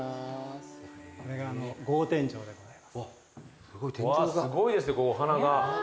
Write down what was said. これが。わすごいですねお花が。